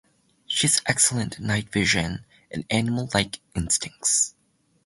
She has excellent night-vision and animal-like instincts.